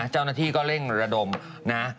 เจ้าหน้าที่ก็เร่งระดมนะ